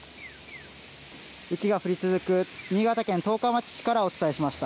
雪が降り続く、新潟県十日町市からお伝えしました。